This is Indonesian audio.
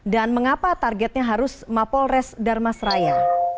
dan mengapa targetnya harus mapolres darmas raya